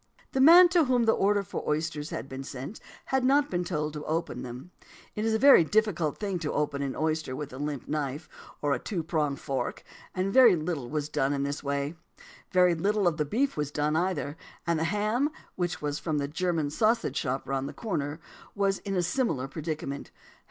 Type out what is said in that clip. "The man to whom the order for the oysters had been sent had not been told to open them; it is a very difficult thing to open an oyster with a limp knife or a two pronged fork; and very little was done in this way. Very little of the beef was done either; and the ham (which was from the German sausage shop round the corner) was in a similar predicament.